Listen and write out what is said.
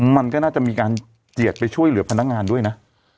มันก็น่าจะมีการเจียดไปช่วยเหลือพนักงานด้วยนะ